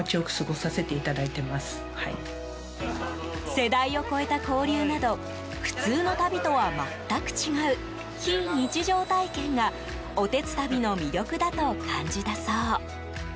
世代を超えた交流など普通の旅とは全く違う非日常体験がおてつたびの魅力だと感じたそう。